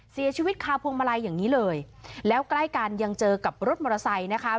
เสียชีวิตคาพวงมาลัยอย่างนี้เลยแล้วใกล้กันยังเจอกับรถมอเตอร์ไซค์นะคะ